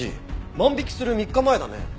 万引きする３日前だね。